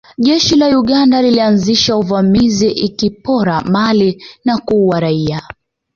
Jeshi la Uganda lilianzisha uvamizi likipora mali na kuua raia